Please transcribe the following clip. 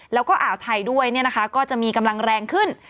แล้วก็อ่าวไทยด้วยก็จะมีกำลังแรงขึ้น